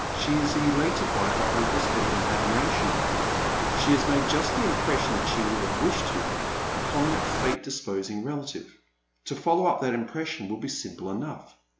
She is elated by her uncle's evident admiration of her. She has made just the impression that she would have wished to make upon that fate disposing relative. To follow up that impression will be simple enough.